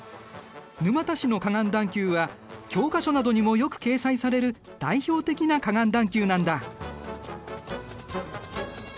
沼田市の河岸段丘は教科書などにもよく掲載される代表的な河岸段丘なんだ。